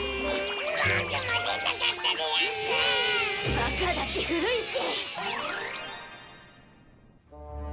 バカだし古いし。